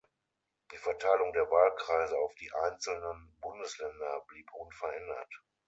Die Verteilung der Wahlkreise auf die einzelnen Bundesländer blieb unverändert.